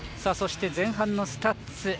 そして前半のスタッツ。